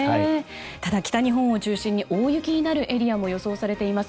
ただ、北日本を中心に大雪になるエリアも予想されています。